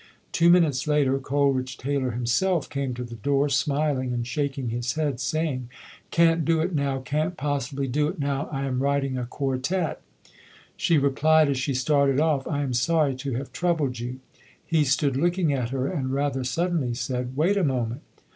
Two minutes later Coleridge Taylor himself came to the door smiling and shaking his head, saying, "Can't do it now, can't possibly do it now. I am writing a quartet". She replied as she started off, "I am sorry to have troubled you". He stood looking at her and rather suddenly said, "Wait a moment".